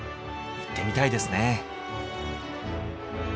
行ってみたいですね。